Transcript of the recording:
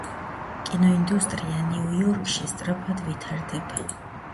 კინოინდუსტრია ნიუ-იორკში სწარფად ვითარდება.